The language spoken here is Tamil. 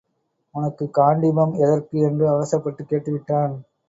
உனக்குக் காண்டீபம் எதற்கு என்று அவசரப்பட்டுக் கேட்டு விட்டான்.